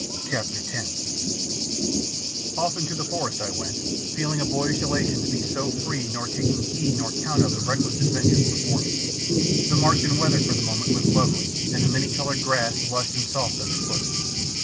CHAPTER X Off into the forest I went, feeling a boyish elation to be so free nor taking heed or count of the reckless adventure before me. The Martian weather for the moment was lovely and the many coloured grass lush and soft under foot.